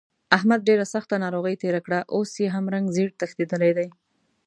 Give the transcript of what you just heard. احمد ډېره سخته ناروغۍ تېره کړه، اوس یې هم رنګ زېړ تښتېدلی دی.